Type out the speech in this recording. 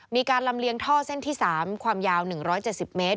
มีการลำเลียงท่อเส้นที่๓ความยาว๑๗๐เมตร